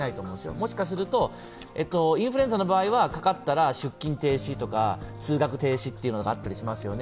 もしかすると、インフルエンザの場合はかかった出勤停止とか通学停止というのがあったりしますよね。